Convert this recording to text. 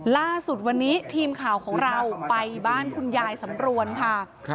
ล่าสุดวันนี้ทีมข่าวของเราไปบ้านคุณยายสำรวนค่ะ